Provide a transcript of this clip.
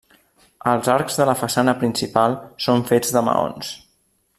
Els arcs de la façana principal són fets de maons.